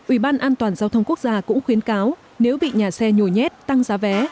ủy ban an toàn giao thông quốc gia cũng khuyến cáo nếu bị nhà xe nhồi nhét tăng giá vé